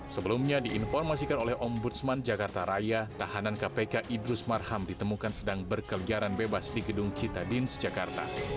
sebelumnya diinformasikan oleh ombudsman jakarta raya tahanan kpk idrus marham ditemukan sedang berkeliaran bebas di gedung cita dins jakarta